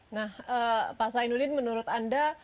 nah pak zainuddin menurut anda